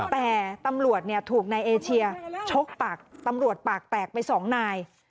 แต่ตำรวจถูกนายเอเชียชกปากตำรวจปากแตกไปสองนาย